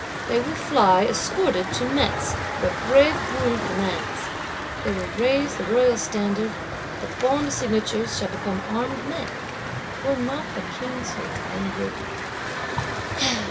They will fly, escorted, to Metz, where brave Bouillé commands; they will raise the Royal Standard: the Bond signatures shall become armed men. Were not the King so languid!